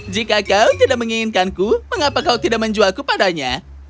jika kau tidak menginginkanku mengapa kau tidak menjualku padanya